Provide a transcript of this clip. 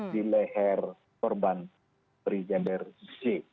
di leher perban prijabar c